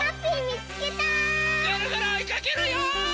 ぐるぐるおいかけるよ！